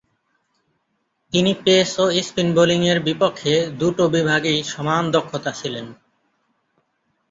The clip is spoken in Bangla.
তিনি পেস ও স্পিন বোলিংয়ের বিপক্ষে দু’টো বিভাগেই সমান দক্ষ ছিলেন।